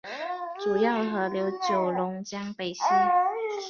主要河流九龙江北溪。